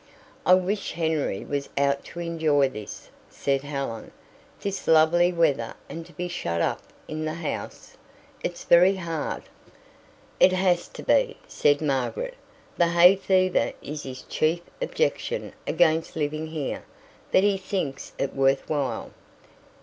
"I wish Henry was out to enjoy this," said Helen. "This lovely weather and to be shut up in the house! It's very hard." "It has to be," said Margaret. "The hay fever is his chief objection against living here, but he thinks it worth while."